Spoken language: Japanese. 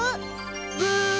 ブー！